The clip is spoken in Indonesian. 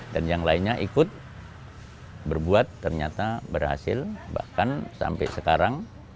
yang lainnya ikut berbuat ternyata berhasil bahkan sampai sekarang